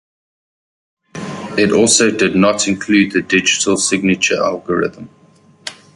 It also did not include the Digital Signature Algorithm.